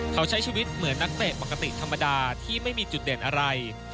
เขาใช้ชีวิตเหมือนนักเตะปกติธรรมดาที่ไม่มีจุดเด่นอะไร